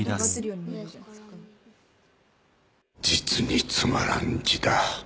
実につまらん字だ